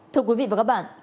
thưa quý vị và các bạn